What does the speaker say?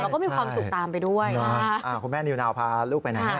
แล้วก็มีความสุขตามไปด้วยคุณแม่นิวนาวพาลูกไปไหน